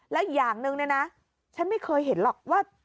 แล้วอย่างนึงเนี่ยนะฉันไม่เคยเห็นหรอกว่า